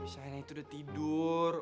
shaina itu udah tidur